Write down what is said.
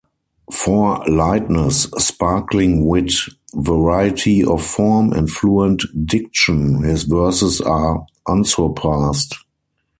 For lightness, sparkling wit, variety of form and fluent diction, his verses are unsurpassed.